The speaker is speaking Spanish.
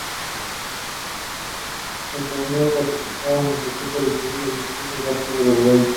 En el torneo participaron los equipos de la Segunda División del básquetbol uruguayo.